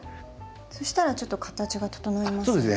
そしたらちょっと形が整いますね。